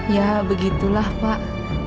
ya begitulah pak